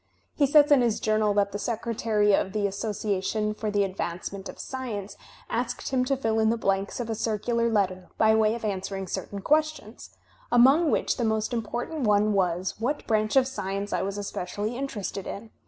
He says in his Journal that the Secretary of the Association for the Advancement of Science asked him to fill in the blanks of a circular letter by way of answering certain questions, among which the most important one was, what branch of science I was espe cially interested in.